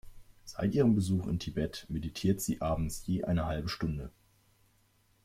Seit ihrem Besuch in Tibet meditiert sie abends je eine halbe Stunde.